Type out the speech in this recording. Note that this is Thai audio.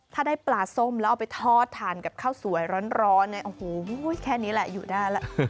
ถ้าได้ปลาส้มแล้วเอาไปทอดทานกับข้าวสวยร้อนเนี่ยโอ้โหแค่นี้แหละอยู่ได้แล้ว